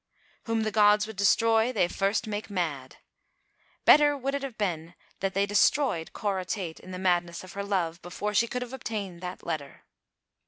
" Whom the gods would destroy they first make mad." Better would it have been had they destroyed Cora Tate in the madness of her love, before she could have obtained that letter.